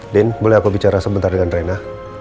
din boleh aku bicara sebentar dengan reina